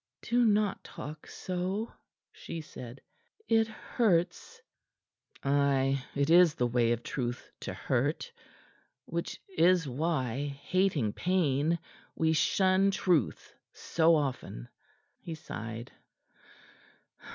"Do not talk so," she said. "It hurts." "Ay it is the way of truth to hurt, which is why, hating pain, we shun truth so often." He sighed.